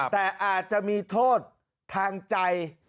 แต่อาจจะมีโทษทางใจ